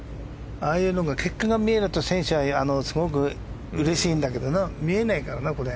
ああいうのが結果が見えると選手はすごくうれしいんだけど見えないからな。